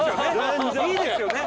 いいですよね？